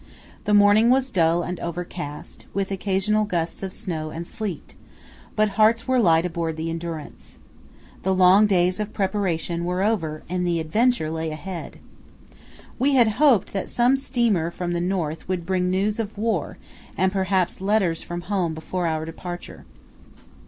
The morning was dull and overcast, with occasional gusts of snow and sleet, but hearts were light aboard the Endurance. The long days of preparation were over and the adventure lay ahead. We had hoped that some steamer from the north would bring news of war and perhaps letters from home before our departure.